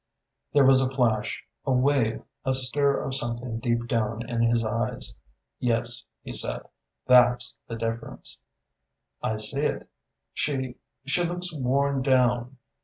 There was a flash, a wave, a stir of something deep down in his eyes. "Yes," he said. "That's the difference." "I see it is. She she looks worn down.